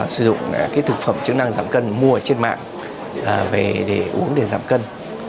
sử dụng thực phẩm chứng năng giảm cân mua trên mạng để uống để giảm cân